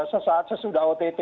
sesaat sesudah ott